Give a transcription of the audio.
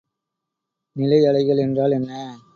நிலை அலைகள் என்றால் என்ன?